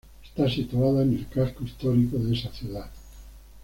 Está situada en el casco histórico de esa ciudad.